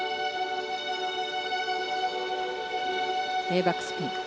レイバックスピン。